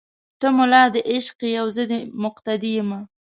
ته مولا دې عشق یې او زه دې مقتدي یمه